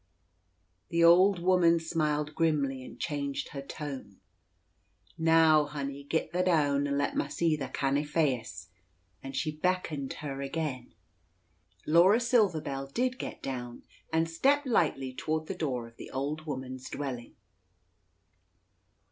The old woman smiled grimly, and changed her tone. "Now, hunny, git tha down, and let ma see thy canny feyace," and she beckoned her again. Laura Silver Bell did get down, and stepped lightly toward the door of the old woman's dwelling.